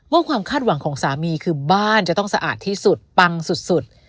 ความคาดหวังของสามีคือบ้านจะต้องสะอาดที่สุดปังสุด